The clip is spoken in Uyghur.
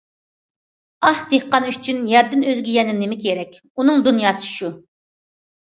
ئاھ، دېھقان ئۈچۈن يەردىن ئۆزگە يەنە نېمە كېرەك؟ ئۇنىڭ دۇنياسى شۇ.